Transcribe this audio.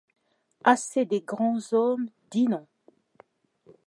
Assez de grands hommes ! Dînons.